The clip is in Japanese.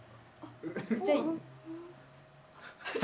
めっちゃいい。